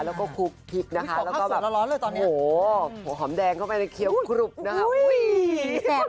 แล้วก็คลุบพริกนะคะโห่หอมแดงเข้าไว้ในเคี้ยวครบนะครับ